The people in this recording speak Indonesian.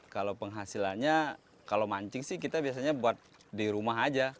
kalau penghasilannya kalau mancing sih kita biasanya buat di rumah aja